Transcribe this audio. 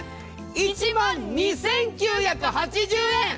１万２９８０円！